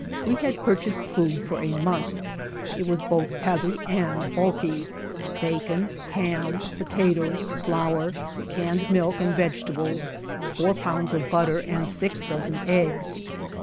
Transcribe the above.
We had purchased food for a month. It was both heavy and bulky; bacon, ham, potatoes, flour, canned milk and vegetables, four pounds of butter and six dozen eggs.